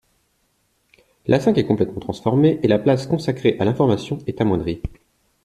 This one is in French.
La Cinq s'est complètement transformée et la place consacrée à l'information est amoindrie.